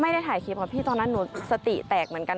ไม่ได้ถ่ายคลิปค่ะพี่ตอนนั้นหนูสติแตกเหมือนกัน